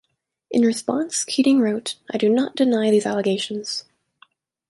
In response, Keating wrote: I do not deny these allegations.